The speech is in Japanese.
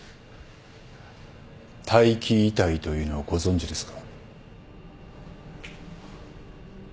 待機遺体というのをご存じですか？